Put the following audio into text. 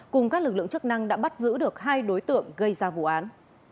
cùng các lực lượng chức năng đã bắt giữ được hai đối tượng gây ra vụ án